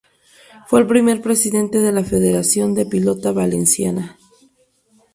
Fue el primer presidente de la Federació de Pilota Valenciana.